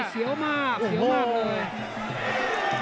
เสียวมากเสียวมากเลย